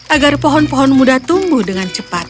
agar pohon pohon muda tumbuh dengan cepat